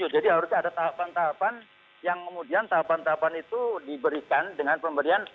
jadi harus ada tahapan tahapan yang kemudian tahapan tahapan itu diberikan dengan pemberhentian